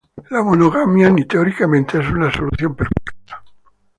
La monogamia ni teóricamente es una solución perfecta.